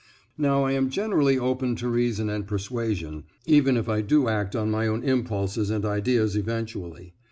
Now I am generally open to reason and persuasion, even if I do act on my own impulses and ideas eventually.